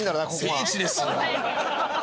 聖地ですよ。